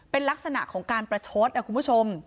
เป็นลักษณะของการประชดคุณผู้ชม